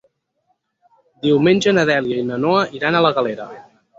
Diumenge na Dèlia i na Noa iran a la Galera.